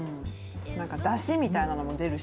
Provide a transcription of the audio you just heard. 出汁みたいなのも出るし。